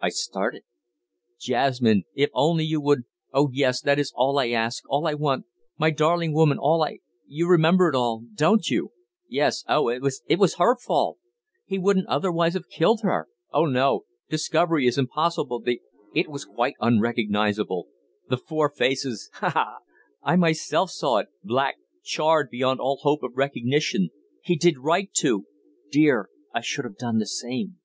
I started. "Jasmine, if only you would ... oh, yes, that is all I ask, all I want, my darling woman, all I ... you remember it all, don't you? ... yes ... oh, it was her fault ... he wouldn't otherwise have killed her ... oh, no, discovery is impossible, the ... it was quite unrecognizable.... The Four Faces ha! ha! ... I myself saw it, black, charred beyond all hope of recognition ... he did right to ... dear, I should have done the same...."